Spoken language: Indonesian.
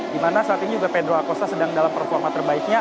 di mana saat ini juga pedro acosta sedang dalam performa terbaiknya